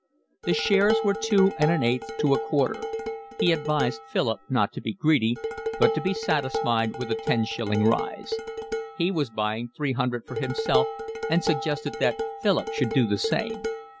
The shares were two and an eighth to a quarter. He advised Philip not to be greedy, but to be satisfied with a ten shilling rise. He was buying three hundred for himself and suggested that Philip should do the same.